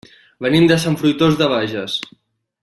Venim de Sant Fruitós de Bages.